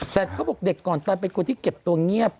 แต่เขาบอกเด็กก่อนตายเป็นคนที่เก็บตัวเงียบ